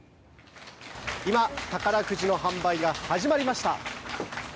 今、宝くじの販売が始まりました。